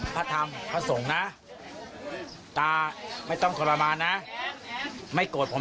พบภูมิไหม